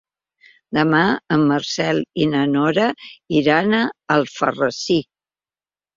Demà en Marcel i na Nora iran a Alfarrasí.